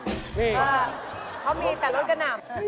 นี่เขามีแต่รถกะหนัม